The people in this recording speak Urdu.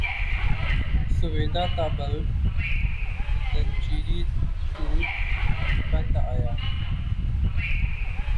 سویدا تا بلب زنجیری دود سپند آیا